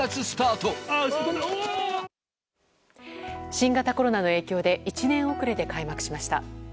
新型コロナの影響で１年遅れで開幕しました。